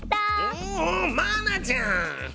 おお愛菜ちゃん！